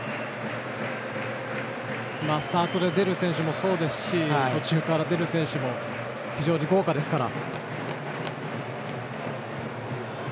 スタートで出る選手もそうですし途中から出る選手も非常に豪華ですから。